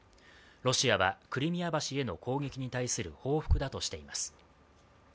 ロシアはクリミア橋への攻撃に対する報復だとしています。